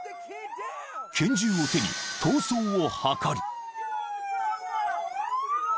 ［拳銃を手に逃走を図る］